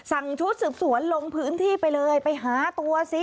ชุดสืบสวนลงพื้นที่ไปเลยไปหาตัวซิ